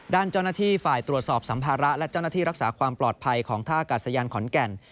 ด้านเจ้าหน้าที่ฝ่ายตรวจสอบสัมภาระและเจ้าหน้าที่รักษาความปลอดภัยของท่ากาศยานขอนแก่น